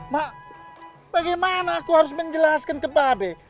mak bagaimana aku harus menjelaskan ke babe